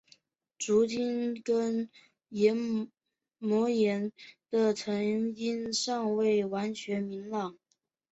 足底筋膜炎的成因尚未完全明朗。